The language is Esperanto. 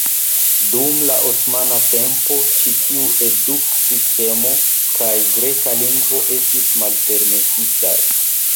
Dum la osmana tempo ĉi tiu eduk-sistemo kaj greka lingvo estis malpermesitaj.